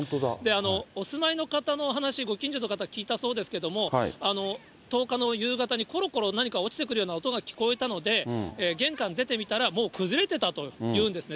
お住まいの方のお話、ご近所の方聞いたそうですけども、１０日の夕方にころころ、何か落ちてくるような音が聞こえたので、玄関出てみたら、もう崩れてたというんですね。